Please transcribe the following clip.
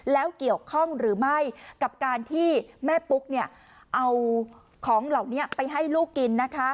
แล้วเกี่ยวข้องหรือไม่กับการที่แม่ปุ๊กเอาของเหล่านี้ไปให้ลูกกิน